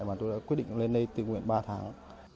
và tôi đã quyết định lên đây tự nguyện ba tháng